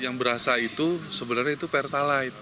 yang berasa itu sebenarnya itu pertalite